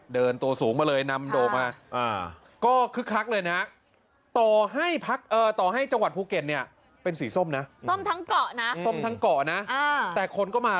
เดินตัวสูงมาเลยนำโดมา